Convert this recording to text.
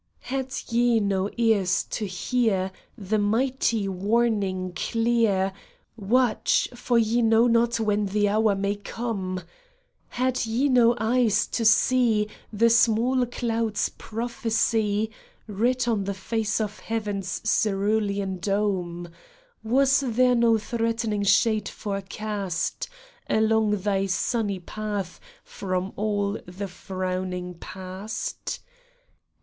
Had ye no ears to hear The mighty warning clear, '^ Watch, for ye know not when the hour may come ?' Had ye no eyes to see The small cloud's prophecy Writ on the face of heaven's cerulean dome ? Was there no threatening shade forecast Along thy sunny path from all the frowning past